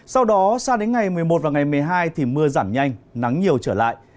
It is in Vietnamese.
sau đó sang đến ngày một mươi một và ngày một mươi hai thì mưa giảm nhanh nắng nhiều trở lại